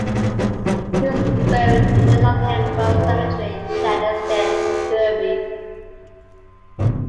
He was buried in the Nottingham Road Cemetery, Chaddesden, Derby.